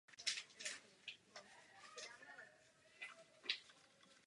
Následující den začaly třístranné rozhovory.